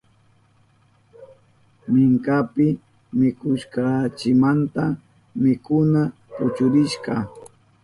Minkapi mikushkanchimanta mikuna puchurishka.